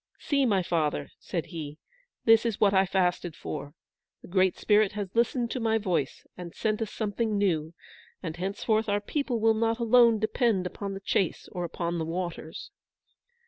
"See, my father," said he, "this is what I fasted for. The Great Spirit has listened to my voice, and sent us something new, and henceforth our people will not alone depend upon the chase or upon the waters."